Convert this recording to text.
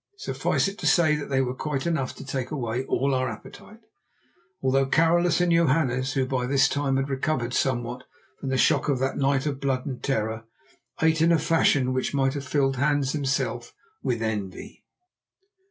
Suffice it to say that they were quite enough to take away all our appetite, although Carolus and Johannes, who by this time had recovered somewhat from the shock of that night of blood and terror, ate in a fashion which might have filled Hans himself with envy.